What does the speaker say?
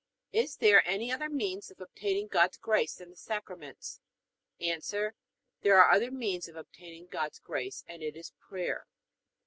Is there any other means of obtaining God's grace than the Sacraments? A. There is another means of obtaining God's grace, and it is prayer.